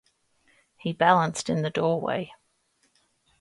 He balanced in the doorway.